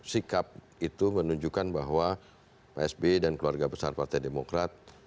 sikap itu menunjukkan bahwa pak sby dan keluarga besar partai demokrat